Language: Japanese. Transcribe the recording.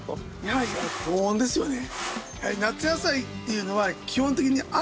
やはり高温ですよね。